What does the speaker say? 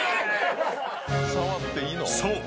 ［そう。